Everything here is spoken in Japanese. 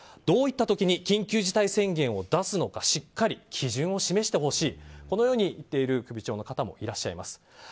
どういった時に緊急事態宣言を出すのかしっかり基準を示してほしいこのように言っている首長の方もいます。